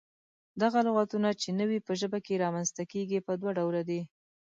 دغه لغتونه چې نوي په ژبه کې رامنځته کيږي، پۀ دوله ډوله دي: